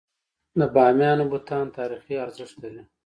د بامیانو بتان تاریخي ارزښت لري.